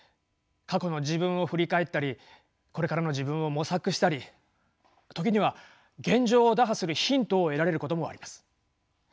過去の自分を振り返ったりこれからの自分を模索したり時には現状を打破するヒントを得られることもあります。